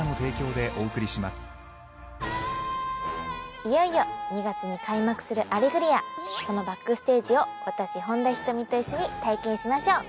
いよいよ２月に開幕する『アレグリア』そのバックステージを私本田仁美と一緒に体験しましょう。